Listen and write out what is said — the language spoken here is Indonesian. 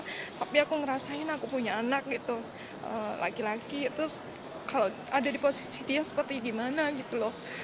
tapi aku ngerasain aku punya anak gitu laki laki terus kalau ada di posisi dia seperti gimana gitu loh